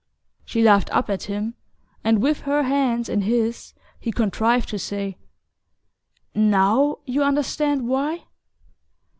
She laughed up at him, and with her hands in his he contrived to say: "NOW you understand why?"